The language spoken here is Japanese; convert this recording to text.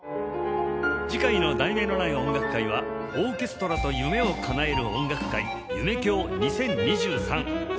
次回の『題名のない音楽会』は「オーケストラと夢をかなえる音楽会夢響２０２３後編」